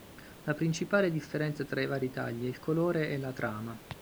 La principale differenza tra i vari tagli è il colore e la trama.